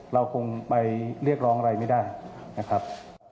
เราคงไปเรียกร้องอะไรไม่ได้นะครับ